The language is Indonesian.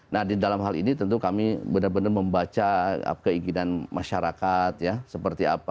nah di dalam hal ini tentu kami benar benar membaca keinginan masyarakat ya seperti apa